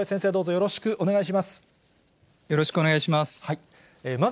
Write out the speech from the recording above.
よろしくお願いします。